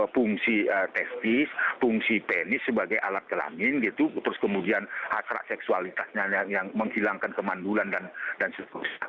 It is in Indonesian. fungsi testis fungsi penis sebagai alat kelamin gitu terus kemudian hasrat seksualitasnya yang menghilangkan kemandulan dan sebagainya